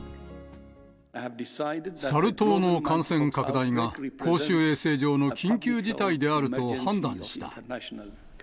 サル痘の感染拡大が公衆衛生上の緊急事態であると判断した。